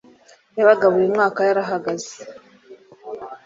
yabaga buri mwaka yarahagaze